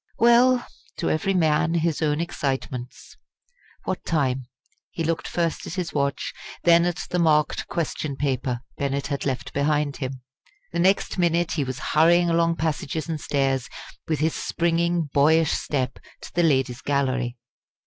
Well! to every man his own excitements! What time? He looked first at his watch, then at the marked question paper Bennett had left behind him. The next minute he was hurrying along passages and stairs, with his springing, boyish step, to the Ladies' Gallery.